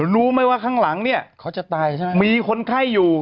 รู้ไหมว่าข้างหลังมีคนไข้อยู่